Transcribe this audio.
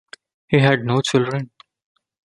He had no children.